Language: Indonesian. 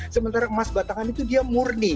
sementara emas batangan itu dia murni